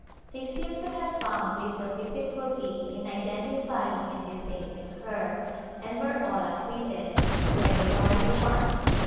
They seem to have found little difficulty in identifying and disabling her and were all acquitted, February 1, 1659.